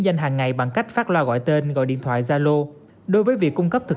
danh hàng ngày bằng cách phát loa gọi tên gọi điện thoại zalo đối với việc cung cấp thực